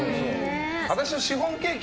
私はシフォンケーキ